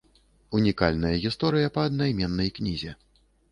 Унікальная гісторыя па аднайменнай кнізе.